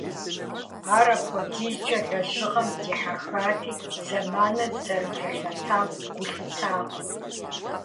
Ар апхуэдизкӏэ лэжьыгъэм дихьэхати, зэманыр зэрыблэлъэтам гу лъитакъым.